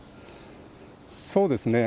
そうですね。